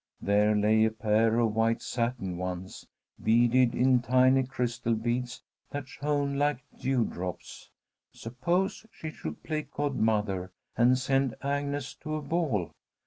There lay a pair of white satin ones, beaded in tiny crystal beads that shone like dewdrops. Suppose she should play godmother and send Agnes to a ball.